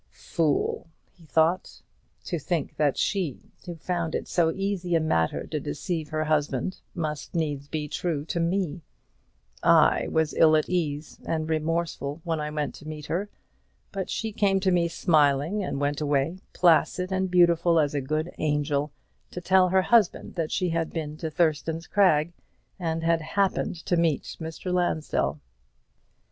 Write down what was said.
"Fool!" he thought, "to think that she, who found it so easy a matter to deceive her husband, must needs be true to me. I was ill at ease and remorseful when I went to meet her; but she came to me smiling, and went away, placid and beautiful as a good angel, to tell her husband that she had been to Thurston's Crag, and had happened to meet Mr. Lansdell."